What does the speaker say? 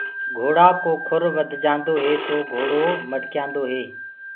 گھوڙآ ڪو کُر وڌجآندو هي تو گھوڙو مڊڪيآندو هي۔